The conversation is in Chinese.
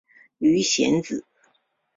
鱼显子